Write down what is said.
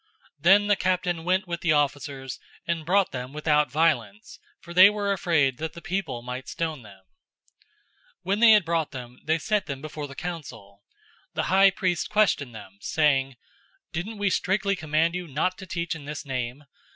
005:026 Then the captain went with the officers, and brought them without violence, for they were afraid that the people might stone them. 005:027 When they had brought them, they set them before the council. The high priest questioned them, 005:028 saying, "Didn't we strictly charge you not to teach in this name?